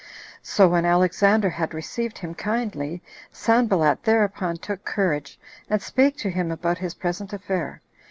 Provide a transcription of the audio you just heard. So when Alexander had received him kindly, Sanballat thereupon took courage, and spake to him about his present affair.